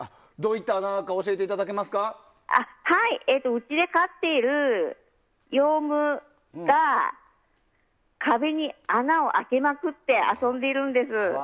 うちで飼っているヨウムが壁に穴を開けまくって遊んでいるんです。